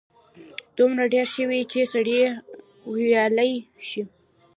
دومره ډېر شوي چې سړی ویلای شي.